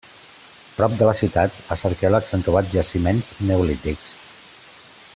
Prop de la ciutat, els arqueòlegs han trobat jaciments neolítics.